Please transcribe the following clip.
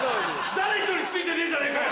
誰一人付いてねえじゃねぇかよ！